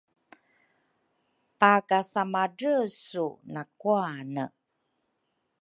pakasamadresu nakuane.